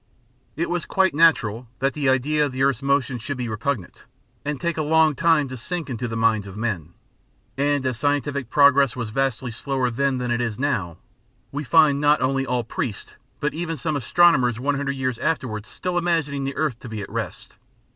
It was quite natural that the idea of the earth's motion should be repugnant, and take a long time to sink into the minds of men; and as scientific progress was vastly slower then than it is now, we find not only all priests but even some astronomers one hundred years afterwards still imagining the earth to be at rest.